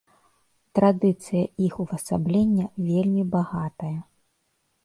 Традыцыя іх увасаблення вельмі багатая.